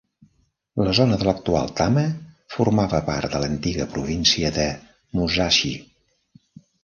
La zona de l'actual Tama formava part de l'antiga província de Musashi.